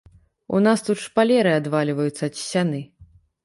У нас тут шпалеры адвальваюцца ад сцяны.